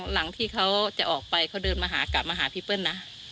หลังที่เขาจะออกไปเขาเดินมาหากลับมาหาพี่เปิ้ลนะ